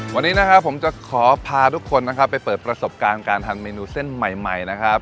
วันนี้นะครับผมจะขอพาทุกคนนะครับไปเปิดประสบการณ์การทำเมนูเส้นใหม่นะครับ